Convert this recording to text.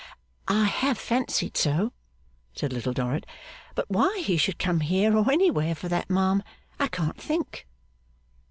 'I have fancied so,' said Little Dorrit. 'But why he should come here or anywhere for that, ma'am, I can't think.